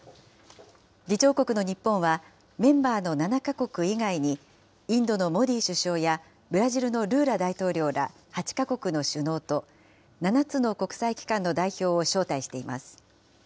議長国の日本は、メンバーの７か国以外に、インドのモディ首相やブラジルのルーラ大統領ら８か国の首脳と、７つの国際機関の代表を招待しています。